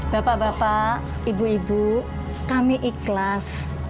bapak bapak ibu ibu kami ikhlas